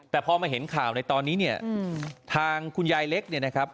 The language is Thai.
แต่พอมาเห็นข่าวในตอนนี้ทางคุณยายเล็ก